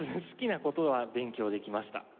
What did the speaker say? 好きな事は勉強できました。